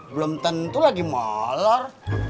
belum tentu lagi molor